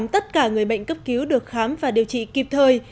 tất cả người bệnh cấp cứu được khám và điều trị kịp thời